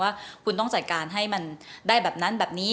ว่าคุณต้องจัดการให้มันได้แบบนั้นแบบนี้